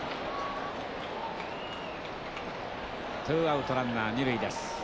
ツーアウトランナー２塁です。